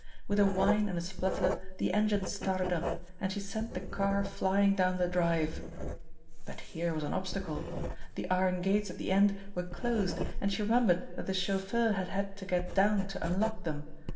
With a whine and a splutter the engines started up, and she sent the car flying down the drive but here was an obstacle. The iron gates at the end were closed, and she remembered that the chauffeur had had to get down to unlock them.